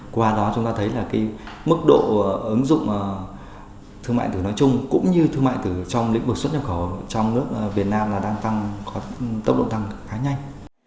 qua đó chúng ta thấy mức độ ứng dụng thương mại tử nói chung cũng như thương mại tử trong lĩnh vực xuất nhập khẩu trong nước việt nam đang tốc độ tăng khá nhanh